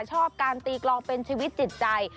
ชอบการตีกลองเป็นชีวิตจิตใจ